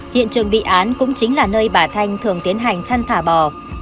hiện trường bị án cũng chính là nơi bà thanh thường tiến hành chăn thả bò